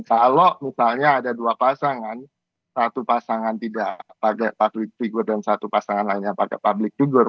kalau misalnya ada dua pasangan satu pasangan tidak pakai public figure dan satu pasangan lainnya pakai public figure